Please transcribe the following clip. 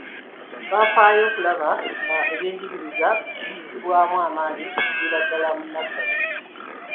Bafaayo okulaba nga ebyenjigiriza bissibwamu amaanyi okuviira ddala mu nnassale.